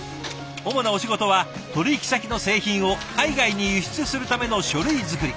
主なお仕事は取引先の製品を海外に輸出するための書類作り。